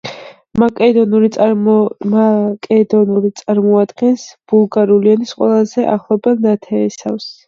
მაკედონური წარმოადგენს ბულგარული ენის ყველაზე ახლობელ ნათესავს.